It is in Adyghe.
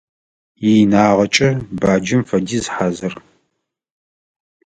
Иинагъэкӏэ баджэм фэдиз хьазыр.